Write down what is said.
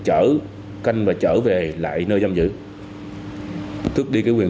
chở canh và chở về lại nơi giam giữ